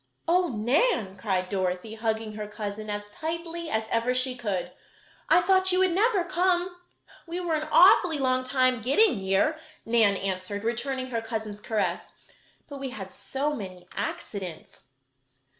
"Oh, Nan!" cried Dorothy, hugging her cousin as tightly as ever she could, "I thought you would never come!" "We were an awfully long time getting here," Nan answered, returning her cousin's caress, "but we had so many accidents."